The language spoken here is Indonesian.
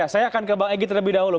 saya akan ke bang egy terlebih dahulu